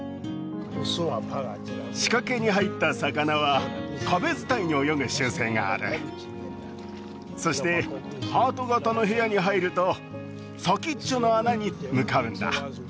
仕掛けに入った魚は壁伝いに泳ぐ習性があるそしてハート形の部屋に入ると先っちょの穴に向かうんだ